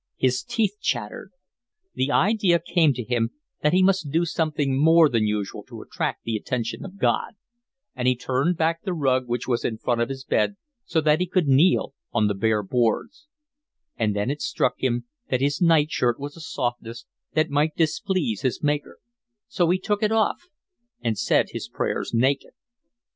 His teeth chattered. The idea came to him that he must do something more than usual to attract the attention of God, and he turned back the rug which was in front of his bed so that he could kneel on the bare boards; and then it struck him that his nightshirt was a softness that might displease his Maker, so he took it off and said his prayers naked.